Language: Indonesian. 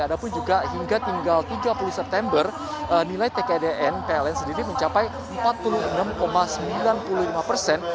ada pun juga hingga tinggal tiga puluh september nilai tkdn pln sendiri mencapai empat puluh enam sembilan puluh lima persen